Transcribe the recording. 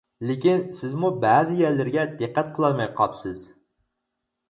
لېكىن سىزمۇ بەزى يەرلىرىگە دىققەت قىلالماي قاپسىز.